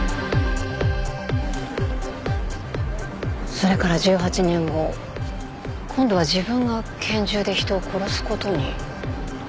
それから１８年後今度は自分が拳銃で人を殺すことに？